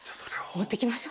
持ってきましょうか。